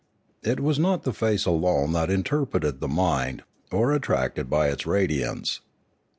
It was not the face alone that interpreted the mind, or attracted by its radiance.